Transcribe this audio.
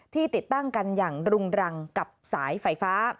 ติดตั้งกันอย่างรุงรังกับสายไฟฟ้า